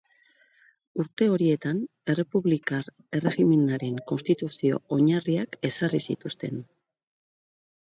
Urte horietan errepublikar errejimenaren konstituzio-oinarriak ezarri zituzten.